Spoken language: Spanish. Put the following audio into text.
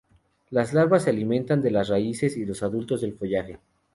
Las larvas se alimentan de las raíces y los adultos del follaje.